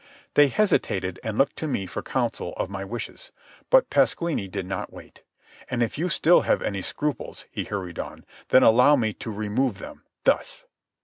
They hesitated and looked to me for counsel of my wishes. But Pasquini did not wait. "And if you still have any scruples," he hurried on, "then allow me to remove them ... thus."